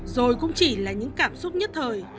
rồi cũng chỉ là những cảm xúc nhất thời